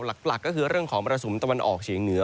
หลักก็คือเรื่องของมรสุมตะวันออกเฉียงเหนือ